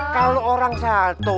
kalau orang salto